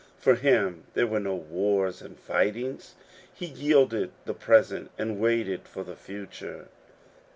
For him there were no wars and fightings. He yielded the present, and waited for the future.